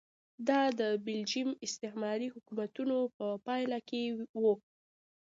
دا د بلجیم استعماري حکومتونو په پایله کې و.